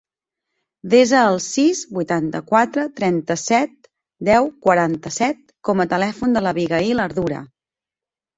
Desa el sis, vuitanta-quatre, trenta-set, deu, quaranta-set com a telèfon de l'Abigaïl Ardura.